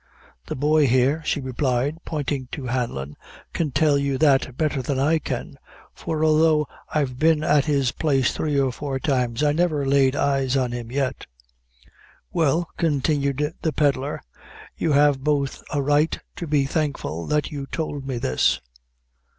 "The boy here," she replied, pointing to Hanlon, "can tell you that betther than I can; for although I've been at his place three or four times, I never laid eyes on him yet." "Well," continued the pedlar, "you have both a right to be thankful that you tould me this.